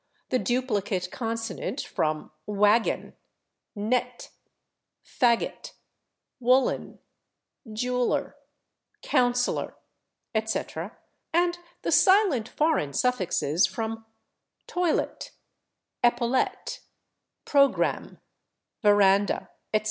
the duplicate consonant from /waggon/, /nett/, /faggot/, /woollen/, /jeweller/, /councillor/, etc., and the silent foreign suffixes from /toilette/, /epaulette/, /programme/, /verandah/, etc.